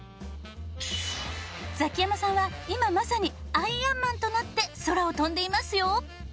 ザキヤマさんは今まさにアイアンマンとなって空を飛んでいますよ。